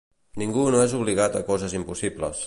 Ningú no és obligat a coses impossibles.